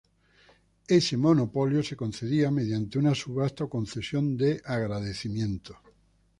Ese monopolio se concedía mediante una subasta o concesión de agradecimiento.